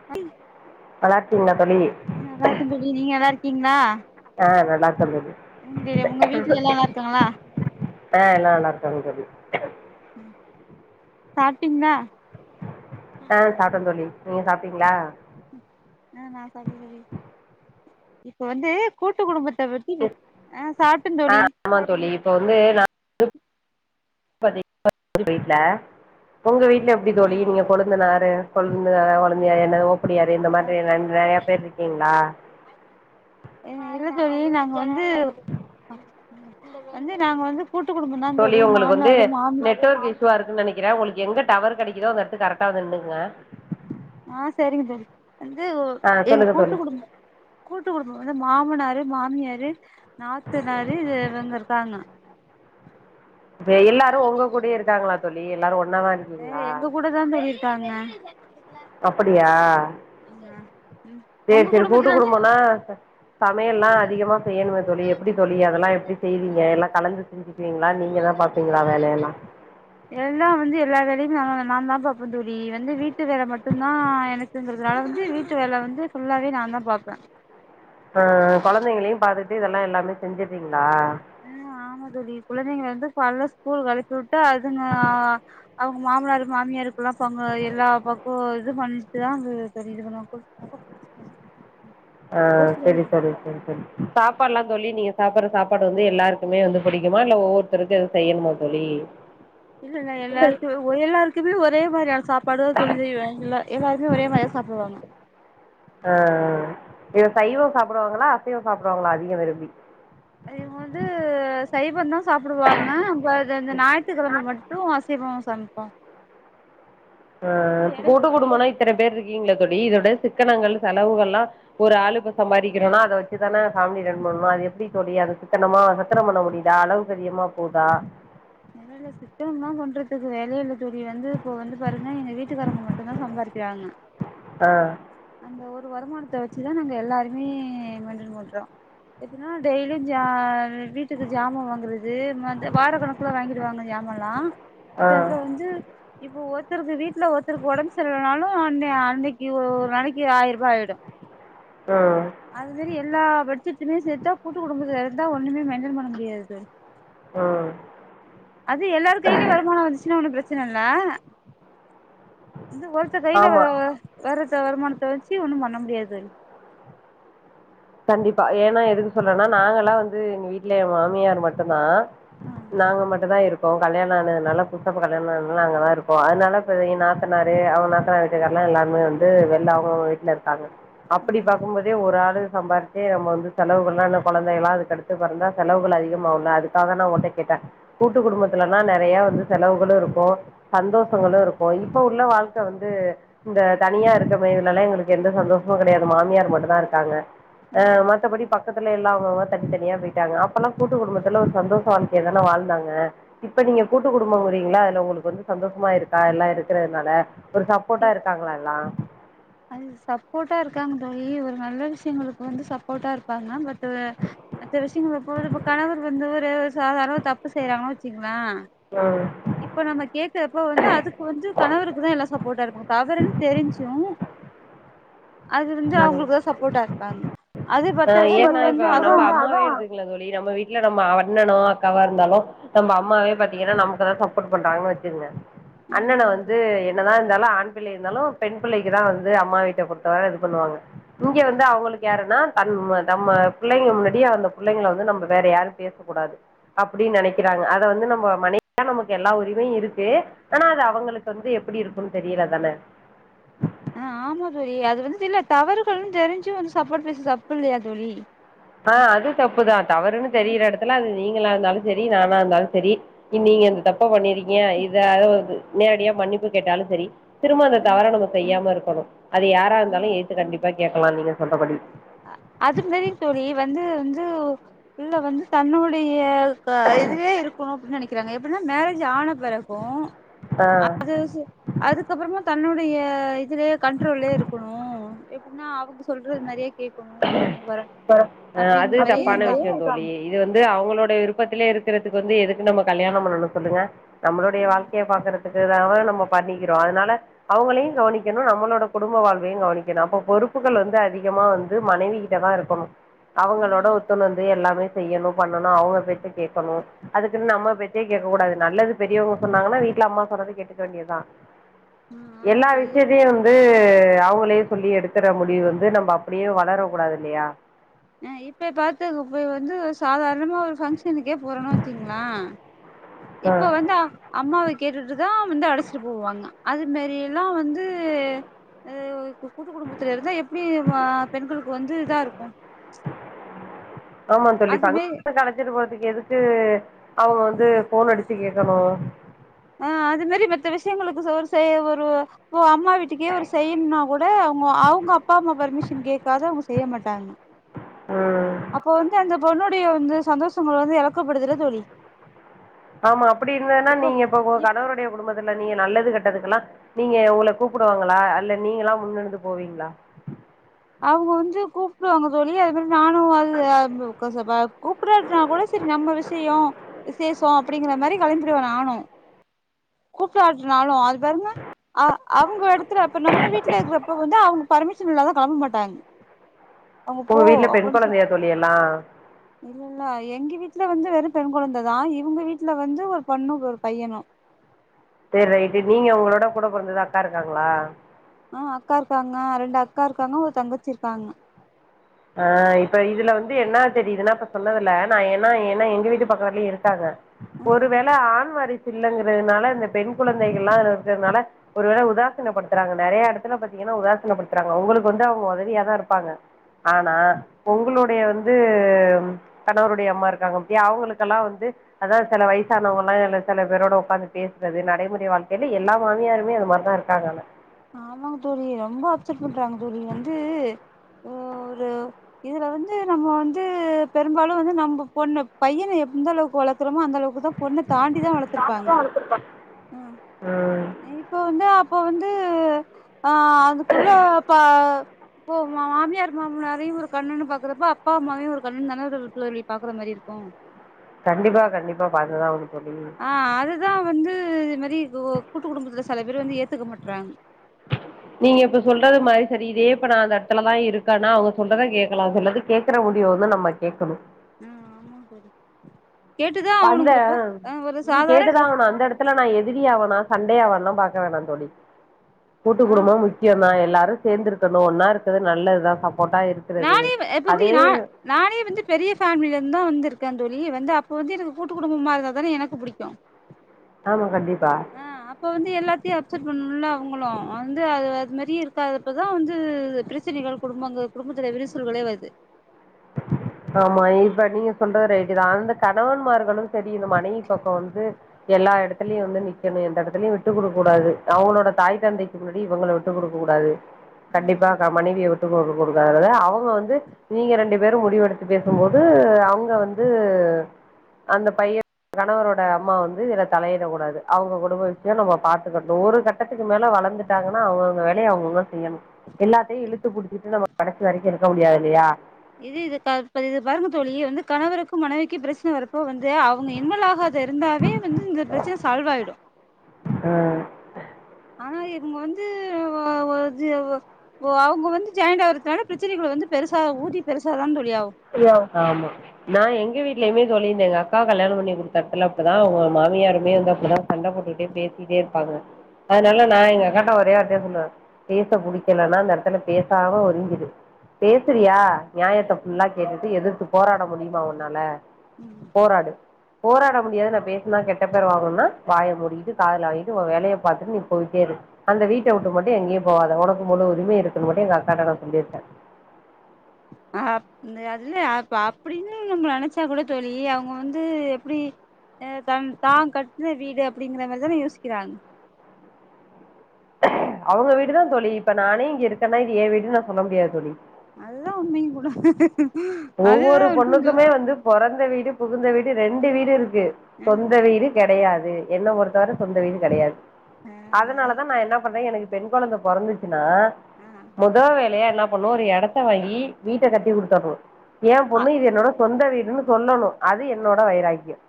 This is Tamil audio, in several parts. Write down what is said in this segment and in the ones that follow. [unintelligible] நல்லார்க்கிங்ளா தோழி நல்லாருக்க தோழி நீங்க நல்லா இருக்கீங்ளா அ நல்லாருக்க தோழி ம்செரி உங்க வீட்ல எல்லா நல்லா இருக்காங்களா அ எல்லா நல்லாருக்காங்க தோழி சாப்டீங்ளா அ சாப்ட தோழி நீங் சாப்டிங்ளா அ நா சாப்டே தோழி இப்ப வந்து கூட்டு குடும்பத்த ப அ சாப்ட தோழி ஆமா தோழி இப்ப வந்து நா [unintelligible] வீட்ல உங்க வீட்ல எப்டி ஆ தோழி நீங்க கொழுந்தனாரு கொழுந்தனாரு கொழுந்தியா என்ன ஓப்பிடியாரு இந்த மாத்ரி நெறைய பேர் இருக்கீங்களா இல்ல தோழி நாங்க வந்து வந்து நாங்க வந்து கூட்டு குடும்ப தா தோழி மாம்னாரு மாமி துவா இருக்கு நெனைக்கிற உங்களுக்கு எங்க டவர் கெடைக்குதோ அந்தெடத்து கரெக்டா வந்து நின்னுக்ங்க ஆ செரிங்க சரி வந்து ஆ எங் சொல்லுங்கள் கூட்டு தோழி குடும் கூட்டு குடும்ப வந்து மாமனாரு மாமியாரு நாத்தனாரு இது இவங்க இருக்காங்க ப எல்லாரு உங்க கூடயே இருக்காங்களா தோழி எல்லாரு ஒன்னா தா இரு ஏ எங்க கூடதா த இருக்காங்க அப்படியா ம் சேரி உங்க சேரி கூட்டு குடும்பத்துல குடும்பந்தா சமையெல்லா அதிகமா செய்யனுமே தோழி எப்டி தோழி அதெல்லா எப்டி செய்வீங்க எல்லா கலந்து செஞ்சுக்கிவீங்ளா நீங்க தா பாப்பீங்ளா வேலையெல்லா எல்லா வந்து எ எல்லா வேலையு நா நா தா பாப்ப தோழி வந்து வீட்டு வேல மட்டு தா எனக்குங்கிறதுனால வந்து வீட்டு வேல வந்து ஃபுல்லாவே நா தா பாப்ப அ கொழந்தைங்களையு பாத்துட்டு இதெல்லா எல்லாமே செஞ்சறீங்களா அ ஆமா தோழி குழந்தைங்க வந்து கால்ல ஸ்கூலுக்கு அனுச்சி விட்டு அதுங்க ஆ அவுங்க மாமனாருக்கு மாமியாருக்குல்லா பங்க எல்லா பக்கோ இது பண்ணிட்டு தா அது சரி இது பண்ணுவாங்க அ சரி தோழி சரி தோழி சாப்பாடுல்லா தோழி நீங்க சாப்டுற சாப்பாடு வந்து எல்லாருக்குமே வந்து பிடிக்குமா இல்ல ஒவ்வொருத்தருக்கு எ செய்யணுமா தோழி இல்லல்ல எல்லாருக்கு ஒரே எல்லாருக்குமே ஒரே மாரியான சாப் பாடு தா தோழி இல்ல எல்லாருக்குமே ஒரே மாரி சாப்டுவாங்க அ இது சைவம் சாப்டுவாங்களா அசைவ சாப்டுவாங்களா அதிக விரும்பி இவுங்க வந்து சைவந்தா சாப்டுவாங்க ப அது இந்த ஞாயித்துக்கிழம மட்டு அசைவோ சமைப்போ அ இது எடை கூட்டு குடும்பனா இத்தன பேர் இருக்கீங்லே தோழி இதோட சிக்கனங்கள் செலவுகள்லா ஒரு ஆளு ப்ப சம்பதிக்கிறோனா அத வச்சு ஃபேமிலி ரன் பண்ணணும் அது எப்டி தோழி அத சித்தனமா ரத்தனம் பண்ண முடிதா அளவுக் தெரியம்மா போதா நெலல சிக்கனம்லா பண்றதுக் வேலையில்ல தூழி வந்து இப்போ வந்து பாருங்க எங்க வீட்டுக்காரங்க மட்டுதா சம்பாதிக்கறாங்க ஆ அந்த ஒரு வருமானத்த வச்சுதா நாங்க எல்லாருமே மண்டல் ஓட்றோம் எப்பனா டெய்லியும் ஜா வீட்டுக்கு ஜாமா வாங்குற து மந்த் வாரகணும் கில வாங்கிடுவாங்க ஜாமால்லாம் ஆ மத்த இத இப்போ ஒருத்தருக்கு வீ ட்ல ஒருத்தருக்கு ஒடம் சர்ல்லனாலும் அன்னை அன்னைக்கி ஒரு நாளைக்கி ஆயிர் ரூபா ஆயிடும் ம் அது மாரி எல்லா பட்சத்துமே சேர்த்தா கூட்டு குடும்பத்துல இருந்தா ஒண்ணுமே மெய்டென் பண்ண முடியாது தோழி உம் அது எல்லாரு கையில்யோ வருமானம் வந்ச்சுன்னா ஒன்னு பெர்ச்சன இல்ல இந்த ஒர் த கையில வ ஆமா வர்ர வர்த வருமானத்த வச்சு ஒன்னும் பண்ண முடியாது தோழி கண்டிப்பா ஏன்னா எதுக்கு சொல்றேன்னா நாங்க எல்லா வந்து எங்க வீட்டல மாமியார் மட்டுதா தோழி நாங்க மட்டும் தா இருக் கோம் கல்யாணம் ஆனதுனால [unintelligible] அங்கதாருக்கோ அதனால போய் நாத்தனரு அவங்க நாத்த எதன்னா எல்லாமே வந்து வெள்ள அவஅவுங்க வீட்ல இருக்காங்க ஆ அப்படி பாக்கும் போதே ஒரு ஆளு சம்பாத்தே நம்ம வந்து செலவுகள்லாம் என்ன கொழந்தைகெல்ல்லா அதுக்கடுத்து பெறந்தா செலவுகள் அதிகமாவுல அதுக்காக நா ஒங்கட்ட கேட்ட கூட்டு குடும்பத்துல எல்லா நெறைய வந்து செலவுகளும் இருக்கும் சந்தோஷங்களும் இருக்கும் இப்ப உள்ள வாழ்க்க வந்து இந்த தனியாருக்க மயிலெல்ல எங்களுக்கு எந்த சந்தோஷமும் கெடையாது மாமியார் மட்டு தாருக்காங்க ஆ அ மத்தபடி பக்கத்துல எல்லா அவங்கவ தனித்தனியா போயிட்டாங்க அப்பெல்லா கூட்டு குடும்பத்துல ஒரு சந்தோஷ ஏய்தனா வாழ்ந்தாங்க இப்ப நீங்க கூட்டு குடும்பம்ங்கறீங்களா அதுல ஒங்களுக்கு வந்து சந்தோஷமாருக்கா எல்லா இருக்கறதுனால ஒரு சப்போட்டா இருக்காங்ளா எல்லா அது சப்போட்டா இருக்காங்கயி ஒரு நல்ல விஷயங்களுக்கு வந்து சப்போட்டாருப்பாங்க பட் துல்ல மத்த விஷயங்கள போது இப்ப கணவர் வந்து ஒரு சாதாரணமா தப்பு செய்றாங்க திக் மா ம் இப்ப நம்ம கேக்குறப்ப வந்து அதுக்கு வந்து கணவருக்குதா எல்லா சப்போட்டாருப்பாங் தவறுன் தெரிஞ்சும் அது வந்து அவங்களுக்குதா சப்போட்டாருப்பாங்க அ ஏன்னா இப்ப நம்ப அப்பாவே எடுத்துங்கல்ல தோழி நம்ம வீட்ல நம்ம அண்ணணோ அக்காவோ இருந்தாலும் நம்ம அம்மாவே பாத்தீங்கன்னா நமக்குதா சப்போர்ட் பண்றாங்கன் வச்சுகங்க ஆ அண்ணன ஆமா வந்து தோழி என்னதா இருந்தாலும் ஆண் பிள்ளை இருந்தாலு பெண் பிள்ளைக்கு தா வந்து அம்மா வீட்ட பொறுத்தவர இது பண்ணுவாங்க இங்க வந்து அவ்ங்களுக்கு யாருன்னா அந்ம நம்ம பிள்ளைங்க முன்னாடியா அந்த புள்ளைங்கள வந்து நம்ம வேற யாரு பேசக்கூடாது அப்டினு நெனைக்கிறாங்க அது வந்து நம்ம மனைவியா நமக்கு எல்லா உரிமையு இருக்கு ஆனா அது அவங்களுக்கு வந்து எப்டி இருக்கும்ன் தெரியில தான அ ஆமா தோழி அது வந்து இல்ல தவறுகளும் தெரிஞ்சு வந்து சப்போட் பேசுறது தப்பு இல்லயா தோழி ஆ அது தப்புதா தவறுன் தெரிற ம் எடத்துல அது நீங்களா இருந்தாலு செரி நானா இருந்தாலு செரி நீங்க இந்த தப்ப பண்ணிருகிங்க இத நேரடியா மன்னிப்பு கேட்டாலு செரி திரும்ப அந்த ம் தவற நம்ம செய்யாம இருக்கணு அது யாரா இருந்தாலு எத்து கண்டிப்பா கேக்கலா நீங்க சொல்ற படி அது மாரி தோழி வந்து ந்து உள்ள வந்து தன்னுடைய க இதுலயே இருக்கோ அப்டின் நெனைக்கிறாங்க எப்டின்னா மேரேஜ் ஆன பெறகும் ஆ அது சு அதுக்கப்பறமா தன்னுடைய இதுலே கண்ட்ரோல்லே இருக்கணு எப்டின்னா அவங்க சொல்றது மாரியே கேட்கணு போணு வரணு அது அப்டிங்கிற மாரியே தப்பான இருக்காங்க விஷ்யோ தோழி இது வந்து அவங்களோட விருப்பத்திலே இருக்கறதுக்கு வந்து எதுக்கு நம்ம கல்யாணோ பண்ணணு சொல்லுங்க நம்மளுடைய ம் வாழ்க்கைய பாக்குறதுக்கு தான நம்ம பண்ணிக்கிறோ அதனால அவங்களையு கவனிக்கணு நம்மளோட குடும்ப வாழ்வையு கவனிக்கணு அப்ப பொறுப்பு கள் வந்து அதிகமா வந்து மனைவிகிட்ட தா இருக்கணு அவங்களோட ம் ஒத்துணந்து எல்லாமே செய்யணு பண்ணனு அவுங்க பேச்ச கேக்கணு அதுக்குன்னு நம்ம பேச்சே கேட்க கூடாது நல்லது பெரியவங்க சொன்னாங்கன்னா வீட்ல அம்மா சொன்னது கேட்டுக்க வேண்டியதா ம் ஆமா எல்லா தோழி விஷயத்தையு வந்து அவங்களே சொல்லி எடுக்க ற முடிவு வந்து நம்ம அப்டியே வளரக் கூடாது இல்லையா அ இப்ப பாத்து குப்பை வந்து சாதாரணமா ஒரு பங்க்ஷனுக்கே போறோனு வச்சீங்ளே ஆஹ் இப்ப வந்து அம்மாவ கேட்டுட்டுதா வந்து அழச்சிட்டு போவாங்க அது மேரியெல்லா வந்து அ அது இப்ப கூட்டு குடும்பத்துல இருந்தா எப்டி பெண்களுக்கு வந்து இதாருக்கு ஆமா தோழி அதுமாரி பங்ஷனுக்கு அழச்சிட்டு போறதுக்கு எதுக்கு அவங்க வந்து ஃபோன் அடிச்சி கேட்கணு ஆ அது மேரி மத்த விஷயங்களுக்கு ஷோர் செய்ய ஒரு ஒ அம் மா வீட்டுக்கே ஒரு செய்யணுன்னா கூட அவங்க அவுங்க அப்பா அம்மா பர்மிஷன் கேட்காத அவுங்க செய்ய மாட்டாங்க ம் அப்போ வந்து அந்த பொண்ணுடைய வந்து சந்தோஷங்கள் வந்து எழக்கப்படுதுல தோழி ஆமா அப்டி இருந்ததுன்னா இப்போ நீங்க இப்ப உங்க இப் கணவருடைய குடும்பத்துல நீங்க நல்லது கெட்டதுக்கெல்லா நீங்க உங்கள கூப்டுவாங்களா அல்ல நீங்களா முன்னெடுந்து போவீங்களா அவுங்க வந்து கூப் புடுவாங்க தோழி அது மாரி நானும் அது [unintelligible] கூப்புடாட்னா கூட செரி நம்ம விஷ்யோ விசேஷோ அப்டிங்கிற மாரி கெளம்பிடுவ நானு கூப்படாட்டனாலு அது பாருங்க ஆ அவுங்க எடுத்து அப்ப நம்ம வீட்ல இருக்கறப்ப வந்து அவங்க பர்மிஷன் இல்லாது கெளம்ப மாட்டாங்க அவங்க உங்க போ வீட்ல பெண் கொழந்தையா தோழி எல்லா இல்லேல்ல எங்க வீட்ல வந்து வெறு பெண் கொழந்ததா இவுங்க வீட்ல வந்து ஒரு பெண்ணு ஒரு பையனு சேரி ரைட்டு நீங்க உங்களோட கூட பொறந்தது அக்கா இருக்காங்களா ஆ அக்காருக்காங்க ரெண்டு அக்கா இருக்காங்க ஒரு தங்கச்சி இருக்காங்க ஆ இப்ப இதுல வந்து என்னா தெரியிதுன்னா இப்ப சொன்னதுல நா ஏன்னா என்ன எங்க வீட்டு பக்கத்துலயு இருக்காங்க ஆ ஒருவேள ஆண் வாரிசு இல்லங்குறதுனால இந்த பெண் குழந்தைகள்லா இருக்குறதுனால ஒரு வேள உதாசனப்படுத்துறாங்க நறைய எடத்துல பாத்தீங்கன்னா உதாசனப்படுத்துறாங்க உங்களுக்கு வந்து அவங்க உதவியா தா இருப்பாங்க ஆனா உங்களுடைய வந்து கணவருடைய அம்மா இருக்காங்க பாத்தியா அவங்களுக்கெல்லா வந்து அதா சில வயசானவங்கல்லா இல்ல செல பேரோட உக்காந்து பேசுறது நடைமுறை வாழ்க்கையில எல்லா மாமியாருமே அது மார் தா இருக்காங்கான ஆமாங் தோழி ரொம்ப அப்செர்ட் பண்றாங்க தோழி வந்து ஒரு இதுல வந்து நம்ம வந்து பெரும்பாலு வந்து நம்ம பொண்ணு பையன எந்த அளவுக்கு வளக்குறோமோ அந்த அளவுக்கு தா பொண்ணு தாண்டிதா வளத்துருப்பாங்க ம் ம் இப்ப வந்து அப்ப வந்து அ ஆ அதுக்குள்ள அப்ப இப்ப மாமியார் மாமனாரையு ஒரு கண்ணுன்னு பாக்குறப்ப அப்பா அம்மாவையு ஒரு கண்ணன்னு தானா தோழி பாக்குற மாரி இருக்கு ம் கண்டிப்பா கண்டிப்பா பாத்துதா ஆகணு தோழி ஆ அதுதா வந்து இதுமரி கூட்டு குடும்பத்துல செல பேர் வந்து ஏத்துக்க மாட்றாங்க நீங்க இப்ப சொல்றது மாறி சரி இதே இப்ப நா அந்த எட்த்துல தா இருக்கேன்னா அவுங்க சொல்றத கேக்கலா சொல்றது கேக்கற முடிவு வந்து நம்ம கேக்கணு உம் ஆமா தோழி கேட்டுதா அந்த ஆவணுங்கிறப்ப ஆ ஒரு உம் கேட்டுதா சாதாரண ஆகணு அந்த எடத் துல நா எதிரியாவேனா சண்டே ஆவேனா பாக்க வேணா தோழி கூட்டு ஆ குடும்போ முக் கியோந்தா எல்லாரு சேந்திருக்கணு ஒன்னா இருக்குறது நல்லதுதா சப்போட்டா இருக் நானே எப்பத்தி நா நானே வந்து பெரிய ஃபேமிலி லந்து‌தா வந்திருக்கே தோழி வந்து அப்ப வந்து எனக்கு கூட்டு குடும்பமா இருந்தா தான எனக்கு புடிக்கு ஆமா கண்டிப்பா ஆ அப்ப வந்து எல்லாத்தையு அப்செட் பண்ணும்ல அவுங்களு வந்து அது அது மாறி இருக்காது இப்போதா வந்து ப்ரச்சனைகள் குடும்பங்கள் குடும்பத்துல விருசல்களே வருது ஆமா இப்ப நீங்க சொல்றது ரைட்டுதா அந்த கணவன்மார்களும் செரி இந்த மனைவி பக்கோ வந்து எல்லா எடத்துலயு வந்து நிக்கணு எந்த இடத்துலயு விட்டு குடுக்க கூடாது அவங்களோட தாய் தந்தைக் துக் முன்னாடி இவுங்கள விட்டு குடுக்க கூடாது கண்டிப்பா ம் கா மனைவிய விட்டு குடு குடுக்காதது அவுக வந்து நீங்க ரெண்டு பெரு முடிவு எடுத்து பேசும்போது அவங்க வந்து அந்த பையே கணவரோட அம்மா வந்து இதுல தலையிடக் கூடாது அவுங்க குடும்ப விஷ்யோ நம்ம பாத்துக்கட்டு ஒரு கட் டத்துக்கு மேல வளந்துட்டாங்கன்னா அவங்கங்க வேலைய அவுங்கவுங்க செய்யணு எல்லாத்தையு இழுத்து புடிச்சிட்டு நம்ம கடைசி வரைக்கு இருக்க முடியாது இல்லையா இது இது க இத பாருங்க தோழி வந்து கணவருக்கு மனைவிக்கு ப்ரச்சன வரப்போ வந்து அவுங்க இன்வால் ஆகாது இருந்தாவே வந்து இந்த ப்ரச்சன சால்வ் ஆயிடு ஆ ஆனா இவுங்க வந்து ஒரு ஒர்ஜியவோ ஓ அவு‌ங்க வந்து ஜாயின்ட் ஆறதுனால ப்ரச்சனைகள வந்து பெருசா ஊதி பெருசாதா தோழி ஆவு அப்டியா ஆமா நா எங்க வீட்லயுமே தோழி இந்த எங்க அக்காவ கல்யாணோ பண்ணி குடுத்த எடத்துல அப்டிதா உங்க மாமியாருமே வந்தா அப்டி தா சண்ட போட்டுக்கிட்டே பேசிட்டே இருப்பாங்க ம் அதனால நா எங்க அக்காட்ட ஒரே வார்த்தையா சொல்லுவேன் பேச புடிக்கலனா அந்த எடத்துல பேசாம ஒதிங்கிரு பேசுறியா நியாயத்த நல்லா கேட்டுட்டு எதிரத்து போராட முடியுமா உன்னால போராடு போராட முடியாது நா பேசுனா கெட்ட பேர் வாங்கணுன்னா வாய மூடிக்கிட்டு காதல வாங்கிட்டு வேலய பாத்துட்டு நீ போயிட்டே இரு அந்த வீட்ட விட்டு மட்டு எங்கேயு போகாத உனக்கு முழு உரிம இருக்குன்னு மட்டு எங்க அக்காட்ட சொல்லிர்க்கே ஆகப் இந்த அதுல அ அப்டின்னு நம்மள நெனைச்சா கூட தோழி அவங்க வந்து எப்டி தன் தா கட்டுன வீடு அப்டிங்கிற மாரி தான யோசிக்கிறாங்க அவுங்க வீடுதா தோழி இப்ப நானே இங்க இருக்கேன்னா இது ஏ வீடுன்னு நா சொல்ல முடியாது தோழி நல்லா அமையவு கூடாத் ஒவ்வொரு பொண்ணுக்குமே வந்து பொறந்த வீடு புகுந்த வீடு ரெண்டு வீடு இருக்கு ஆ சொந்த வீடு கெடையாது என்ன பொருத்தவர சொந்த வீடு கெடையாது ஆ அதா அதனால தான் நா என்ன பண்றே எனக்கு பெண் கொழந்த பொறந்துச்சுன்னா ஆ மொத வே லையா என்ன பண்ணணு ஒரு எடத்த வாங்கி வீட்ட கட்டி குடுத்துர்னு ஏ அ பொண்ணும் இது என்னோட சொந்த வீடுன்னு சொல்லணு அது என்னோட வைராக்கியம்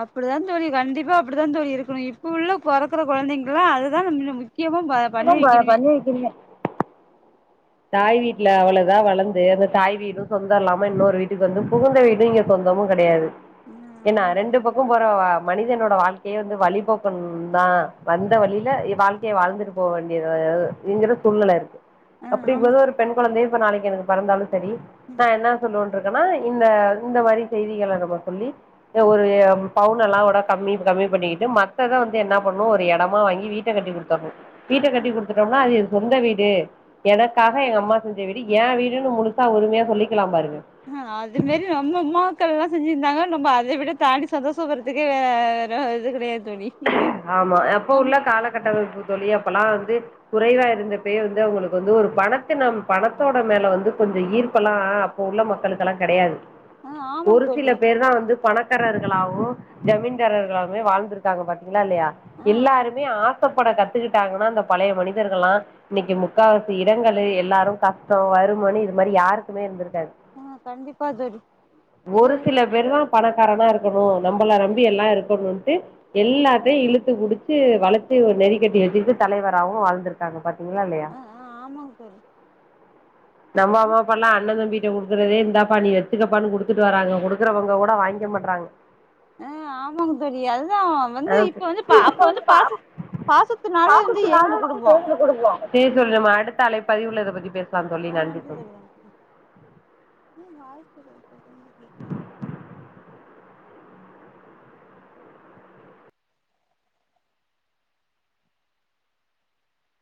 அப்டிதா தோழி கண்டிப்பா அப்டித்தா தோழி இருக்கணு இப்ப உள்ள பொறக்கற கொழந்தைங்ளா அதுதா முக்கியமா ப இப்டி பண்ணி தா நா வைக்கணுமே பண்ணி வெக்கணுமே தாய் வீட்ல அவ்ளதா வளந்து அந்த தாய் வீடு சொந்தோ இல்லாம இன்னொரு வீட்டுக்கு வந்து புகுந்த வீடு இங்க சொந்தமு கெடையாது ம் ஏன்னா ஆமாங்க தோழி ரெண்டு பக்கோ போற மனிதனோட வாழ்க்கையே வந்து வழிபோக்கன் தா வந்த வழியில வாழ்க்கய வாழ்ந்துட்டு போ வேண்டியங்கிற சூழ்நில இருக்கு ஆ ஆமா அப்டிபோது ஒரு பெண் கொழந்த இப்ப நாளைக்கு எனக்கு பெறந்தாலு சரி நா என்ன சொல்லுவே இருக்கனா இந்த இந்த மாரி செய்திகள நம்ம சொல்லி ஒரு பவுனல்லா விட கம்மி கம்மி பண்ணிக்கிட்டு மத்தத வந்து என்ன பண்ணு ஒரு எடமா வாங்கி வீட்ட கட்டி கொடுத் வீட்ட கட்டி குடுத்துட்டோம்னா அது எ சொந்த வீடு எனக்காக எங்க அம்மா செஞ்ச வீடு எ வீடுன்னு முழுசா உரிமையா சொல்லிக்கலா பாருங்க ஆ அது மாரி நம்ம அம்மாக்கள்லா செஞ்சிருந்தாங்க நம்ம அத விட தாண்டி சந்தோஷோ வரு இதுக்கு வேற இது கிடையா தோழி ஆமா அப்போ நம் உள்ள காலகட்டமைப்பு தோழி அப்பல்லா வந்து குறைவா இருந்தப்பேய வந்து அவங்களுக்கு வந்து ஒரு பணத்த நம் பணத்தோட மேல வந்து கொஞ்ச ஈர்ப்பல்லா உள்ள மக்களுக்லா கெடையாது ஆ ஆமாங்க ஒரு தோழி சில பேர் தா வந்து பணக் ர்களாவு ஜமீன்தாரர்களாவுமே வாழ்ந்திருக்காங்க பாத்தீங்ளா இல்லையா ஆ எல்லாருமே ஆ கஷ்டப்பட கத்துக்கிட்டாங்கன்னா அந்த பழைய மனிதர்கலா இன்னைக்கு முக்கால் வாசி இடங்கள் எல்லாரு கஷ்டோ வறுமனு இது மாரி யாருக்குமே இருந்திருக்காது ம் கண்டிப்பா தோழி இது வெறு பணக்காரனா இருக்கணு நம்மள நம்பி எல்லா இருக்கணும்ட்டு எல்லாத்தயு இழுத்து புடிச்சு வளச்சு ஒரு நெறிக்கட்டி வச்சிட்டு தலைவராவு வாழ்ந்திருக் பாத்தீங்களா இல்லையா ஆ ஆ ஆமாங்க தோழி நம்ம அம்மாப்பால்லா அண்ண தம்பி குடுக்குறதே இந்தா பா நீ எத்துக்க பா ண்ணு குடுத்துட்டு வராங்க குடுக்குறவங்க கூட வாங்க மாட்றாங்க ஆ ஆமாங்க தோழி அதுதா வந்து ஆ இப்ப வந்து பா அப்ப இப்ப வந்து பா பாச பாசத்துனால வந்து ஏங்குன குடும்போ குடுப்போ செரி தோழி நம்ம அடுத்த அலை பதிவுள இத பத்தி பேசலா தோழி நன்றி தோழி ஏ வாய்ஸ் விட்டு விட்டு கேக்குது